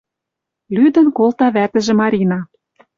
Лӱдӹн колта вӓтӹжӹ Марина.